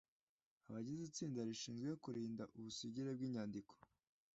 abagize itsinda rishinzwe kurinda ubusugire bw’inyandiko